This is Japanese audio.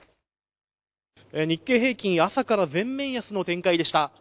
日経平均株価、朝から全面安の展開でした。